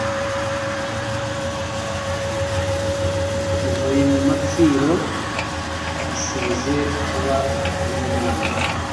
Ivuye mu mapfiro, Ishubije kuba iy' Imana,